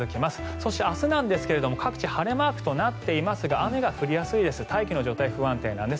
そして明日なんですが各地晴れマークとなっていますが雨が降りやすいです。